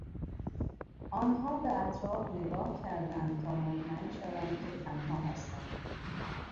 آنها به اطراف نگاه کردند تا مطمئن شوند که تنها هستند.